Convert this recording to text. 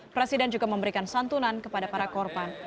presiden juga memberikan santunan kepada para korban